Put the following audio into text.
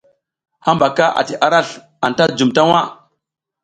Hambaka ati arasl anta jum ta waʼa.